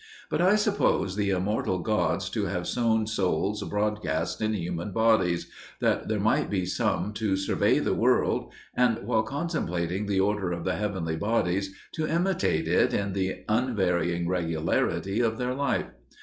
But I suppose the immortal gods to have sown souls broadcast in human bodies, that there might be some to survey the world, and while contemplating the order of the heavenly bodies to imitate it in the unvarying regularity of their life.